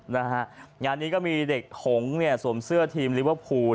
งานนี้ก็มีเด็กหงค์สวมเสื้อทีมลิเวอร์พูล